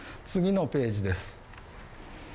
次のページです。